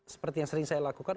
seperti yang sering saya lakukan